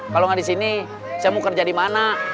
kalau nggak di sini saya mau kerja di mana